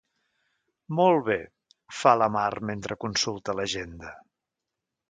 Molt bé —fa la Mar mentre consulta l'agenda—.